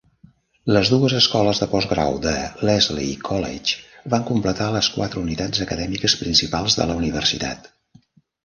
Les dues escoles de postgrau del Lesley College van completar les quatre unitats acadèmiques principals de la universitat.